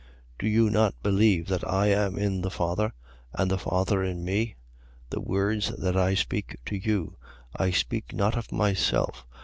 14:10. Do you not believe that I am in the Father and the Father in me? The words that I speak to you, I speak not of myself.